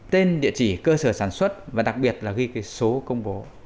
tên địa chỉ cơ sở sản xuất và đặc biệt là ghi cái số công bố